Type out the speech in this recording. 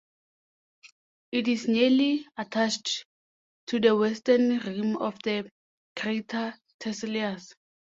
It is nearly attached to the western rim of the crater Tiselius.